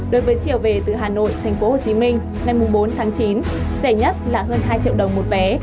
đối với chiều về từ hà nội tp hcm ngày bốn tháng chín rẻ nhất là hơn hai triệu đồng một bé